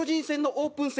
オープン戦？